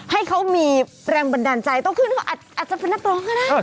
ให้เขามีแรงบันดาลใจต้องขึ้นเขาอาจจะเป็นนักร้องก็ได้